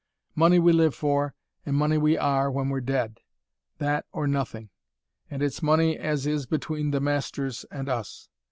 Money we live for, and money we are when we're dead: that or nothing. An' it's money as is between the masters and us.